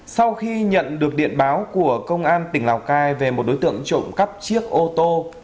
sau khi nhận được điện báo của công an tỉnh lào cai về một đối tượng trộm cắp chiếc ô tô